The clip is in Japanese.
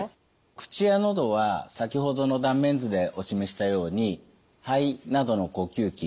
口や喉は先ほどの断面図でお示ししたように肺などの呼吸器ですね